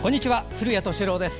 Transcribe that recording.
古谷敏郎です。